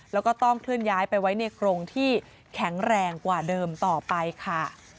แล้วก็ต้องเคลื่อนย้ายไปไว้ในโครงที่แข็งแรงกว่าเดิมต่อไปค่ะ